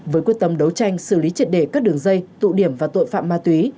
với quyết tâm đấu tranh xử lý triệt đề các đường dây tụ điểm và tội phạm ma túy